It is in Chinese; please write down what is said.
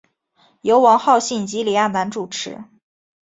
由王浩信及李亚男主持。